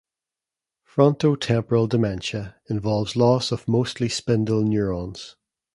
Frontotemporal dementia involves loss of mostly spindle neurons.